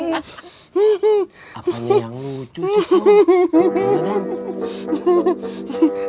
apaan yang lucu cik kom